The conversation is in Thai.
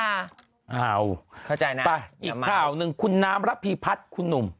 อ้าวอีกข่าวหนึ่งคุณน้ำระพีพัดคุณหนุ่ม